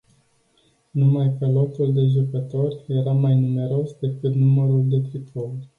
Numai că lotul de jucători era mai numeros decât numărul de tricouri.